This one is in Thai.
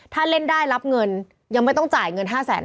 ถ้าเล่นได้รับเงินยังไม่ต้องจ่ายเงิน๕แสน